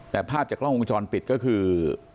แต่ภาพจากกล้องวงจรปิดก็คือ